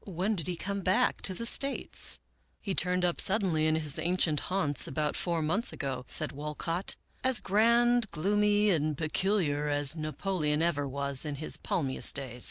When did he come back to the States ?"" He turned up suddenly in his ancient haunts about four months ago," said Walcott, " as grand, gloomy, and peculiar as Napoleon ever was in his palmiest days.